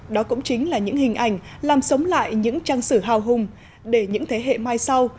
đó cũng chính là những hình ảnh làm sống lại những trang sử hào hùng để những thế hệ mai sau